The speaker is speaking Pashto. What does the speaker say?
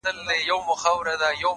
خاموش کار تر څرګندو خبرو ژور اغېز لري